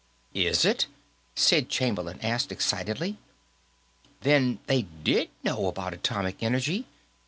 "It is?" Sid Chamberlain asked, excitedly. "Then they did know about atomic energy.